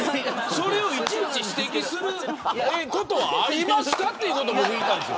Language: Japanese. それをいちいち指摘することはありますかということを言いたいんです。